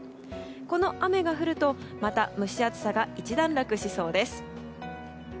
この雨が降ると、また蒸し暑さが一段落しそうです。